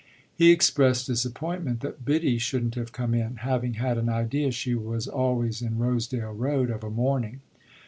He expressed disappointment that Biddy shouldn't have come in, having had an idea she was always in Rosedale Road of a morning.